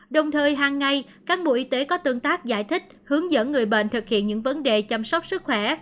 đồng thời hàng ngày cán bộ y tế có tương tác giải thích hướng dẫn người bệnh thực hiện những vấn đề chăm sóc sức khỏe